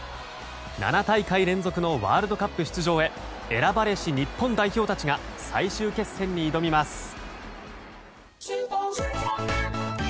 ７大会連続のワールドカップ出場へ選ばれし日本代表たちが最終決戦に挑みます。